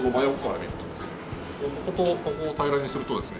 こことここを平らにするとですね